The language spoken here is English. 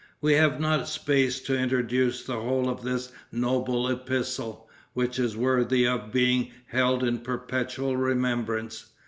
We have not space to introduce the whole of this noble epistle, which is worthy of being held in perpetual remembrance.